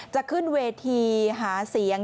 จะขึ้นเวทีหาเสียง